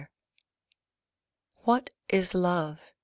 WHAT is Love?